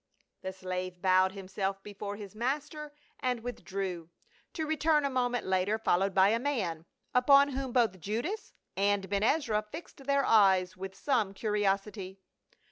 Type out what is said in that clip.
The slave bowed himself before his master and with drew, to return a moment later followed by a man, upon whom both Judas and Ben Ezra fixed their eyes with some curiosity.